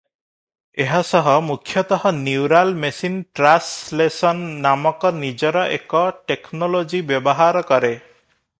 ଏହା ସହ ମୁଖ୍ୟତଃ ନ୍ୟୁରାଲ ମେସିନ ଟ୍ରାସଲେସନ ନାମକ ନିଜର ଏକ ଟେକନୋଲୋଜି ବ୍ୟବହାର କରେ ।